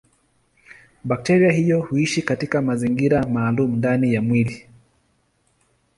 Bakteria hiyo huishi katika mazingira maalumu ndani ya mwili.